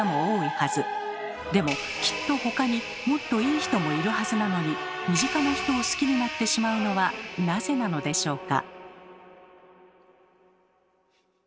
でもきっと他にもっといい人もいるはずなのに身近な人を好きになってしまうのはなぜなのでしょうか？